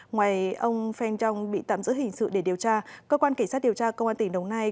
ngoài ông phan trong bị tạm giữ hình sự để điều tra cơ quan kỳ sát điều tra công an tỉnh đồng nai